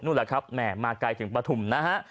นู่นแหละครับมาไกลถึงปฐุมนะฮะ